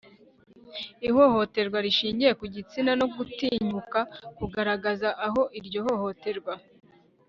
ihohoterwa rishingiye ku gitsina no gutinyuka kugaragaza aho iryo hohoterwa